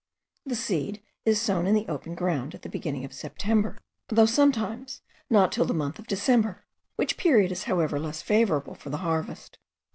The seed is sown in the open ground, at the beginning of September; though sometimes not till the month of December, which period is however less favourable for the harvest.